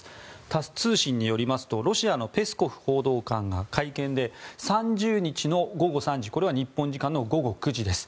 タス通信によりますとロシアのペスコフ報道官が会見で、３０日の午後３時これは日本時間の午後９時です。